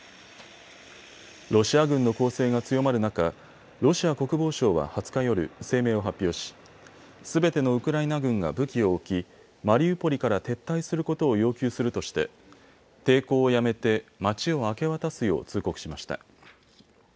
ロシア軍の攻勢が強まる中、ロシア国防省は２０日夜、声明を発表しすべてのウクライナ軍が武器を置きマリウポリから撤退することを要求するとして抵抗をやめて町を明け渡すよう通告しました。